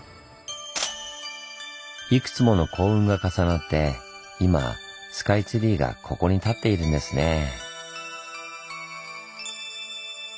いくつもの幸運が重なって今スカイツリーがここに立っているんですねぇ。